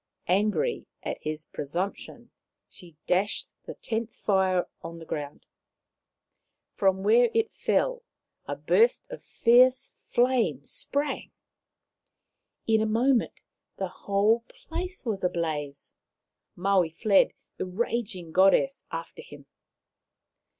Angry at his presumption, she dashed the tenth fire on the ground. From where it fell a burst of fierce flame sprang. In a moment the whole place was ablaze. Maui fled, the raging Goddess after him.